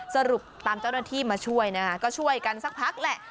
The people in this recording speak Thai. สรุปตามเจ้าหน้าที่มาช่วยนะคะก็ช่วยกันสักพักแหละ